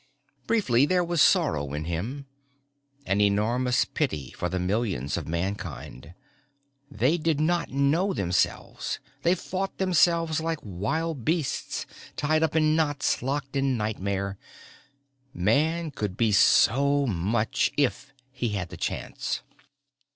_ Briefly there was sorrow in him, an enormous pity for the millions of mankind. They did not know themselves, they fought themselves like wild beasts, tied up in knots, locked in nightmare. Man could be so much if he had the chance.